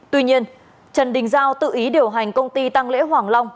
tuy nhiên trần đình giao tự ý điều hành công ty tăng lễ hoàng long